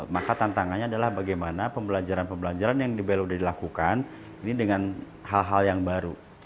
maka tantangannya adalah bagaimana pembelajaran pembelajaran yang dilakukan ini dengan hal hal yang baru